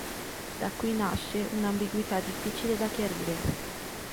Da qui nasce una ambiguità difficile da chiarire.